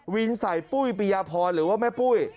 ใส่ปุ้ยปียพรหรือว่าแม่ปุ้ย